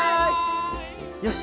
よし！